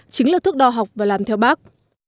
chính là thước đo học và làm theo bác